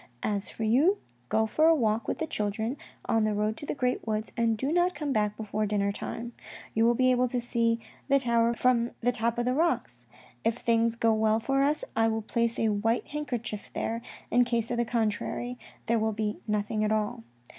As for you, go for a walk with the children, on the road to the great woods, and do not come back before dinner time. " You will be able to see the tower of the dovecot from the top of the rocks. If things go well for us, I will place a white handkerchief there, in case of the contrary, there will be nothing at all.